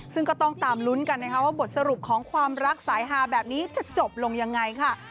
ซึ่งก็ต้องตามลุ้นกันนะคะว่าบทสรุปของความรักสายฮาแบบนี้จะจบลงยังไงค่ะ